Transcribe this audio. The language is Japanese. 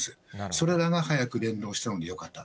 それらが早く連動したのでよかった。